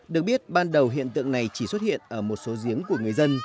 được biết ban đầu hiện tượng này chỉ xuất hiện ở một số giếng của người dân